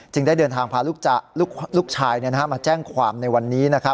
ได้เดินทางพาลูกชายมาแจ้งความในวันนี้